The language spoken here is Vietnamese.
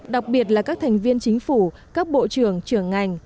đặc biệt là các thành viên chính phủ các bộ trưởng trưởng ngành